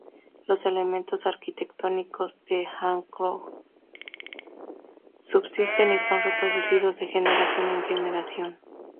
Los elementos arquitectónicos de Angkor subsisten y son reproducidos de generación en generación.